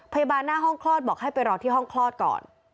หน้าห้องคลอดบอกให้ไปรอที่ห้องคลอดก่อน